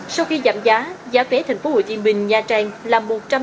sau khi giảm giá giá vé tp hcm nha trang là